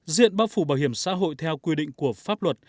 diện bao phủ bảo hiểm xã hội theo quy định của pháp luật